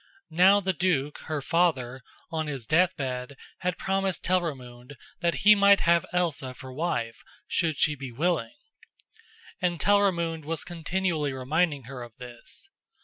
Now the duke, her father, on his death bed had promised Telramund that he might have Elsa for wife, should she be willing; and Telramund was continually reminding her of this.